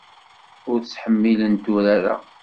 Ur ttḥemmilent urar-a.